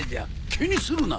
気にするな。